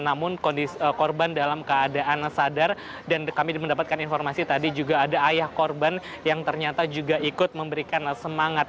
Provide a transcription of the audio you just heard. namun korban dalam keadaan sadar dan kami mendapatkan informasi tadi juga ada ayah korban yang ternyata juga ikut memberikan semangat